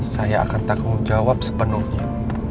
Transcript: saya akan tanggung jawab sepenuhnya